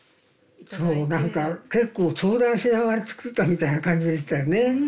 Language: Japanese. そう何か結構相談しながら作ったみたいな感じでしたよね。